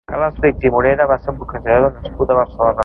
Carles Flix i Morera va ser un boxejador nascut a Barcelona.